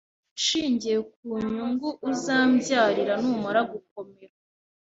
nshingiye ku nyungu uzambyarira numara gukomera